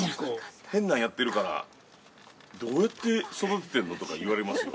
変なんやってるからどうやって育ててるのとか言われますよ。